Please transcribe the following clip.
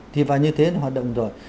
thì vào như thế hoạt động rồi